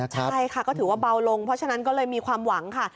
ใช่ค่ะก็ถือว่าเบาลงเพราะฉะนั้นก็เลยมีความหวังค่ะ